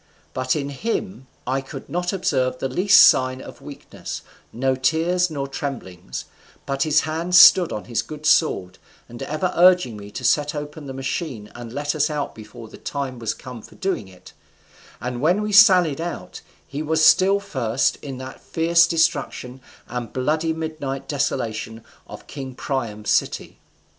But in him I could not observe the least sign of weakness, no tears nor tremblings, but his hand still on his good sword, and ever urging me to set open the machine and let us out before the time was come for doing it; and when we sallied out he was still first in that fierce destruction and bloody midnight desolation of king Priam's city."